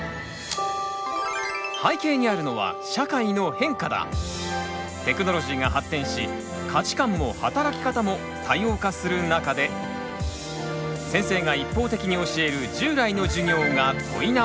背景にあるのはテクノロジーが発展し価値観も働き方も多様化する中で先生が一方的に教える従来の授業が問い直されている。